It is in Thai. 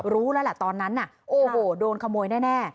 รู้แล้วแหละตอนนั้นน่ะโอ้โหโดนขโมยแน่